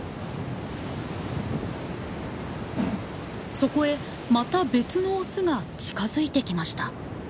そこへまた別のオスが近づいてきました。